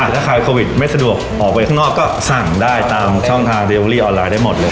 ถ้าใครโควิดไม่สะดวกออกไปข้างนอกก็สั่งได้ตามช่องทางเรียเวอรี่ออนไลน์ได้หมดเลย